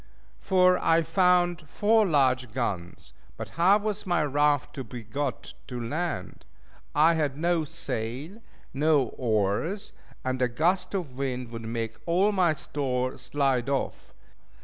For I found four large guns. But how was my raft to be got to land? I had no sail, no oars; and a gust of wind would make all my store slide off.